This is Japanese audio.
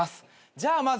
じゃあまず。